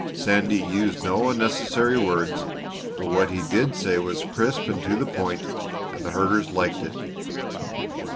Sandy used no unnecessary words, but what he did say was crisp and to the point, and the herders liked it.